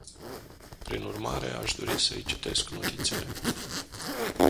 Prin urmare, aș dori să îi citesc notițele.